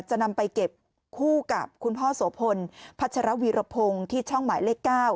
จะนำไปเก็บคู่กับคุณพ่อโสพลพัชรวีรพงศ์ที่ช่องหมายเลข๙